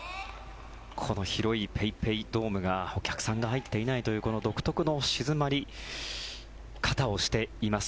この広いＰａｙＰａｙドームにお客さんが入っていないというこの独特の静まり方をしています。